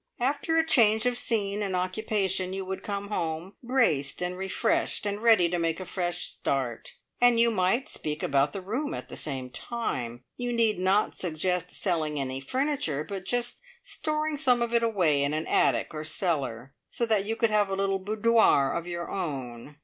After a change of scene and occupation you would come home braced and refreshed, and ready to make a fresh start. And you might speak about the room at the same time. You need not suggest selling any furniture, but just storing some of it away in an attic or cellar, so that you could have a little boudoir of your own.